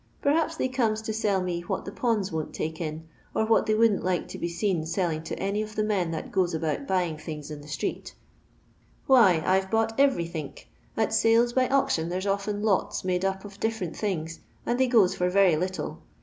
Perhaps they comes to sell to me what the pawns won't tike in, and what they wouldn't like to be seen selling to any of the men that goes about buying things in the street. Why, I 've bought cverythink ; at sales by auction there's often 'lots' made up of difTcr ent things, and they goes for very little.